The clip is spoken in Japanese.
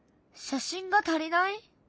写真が足りない？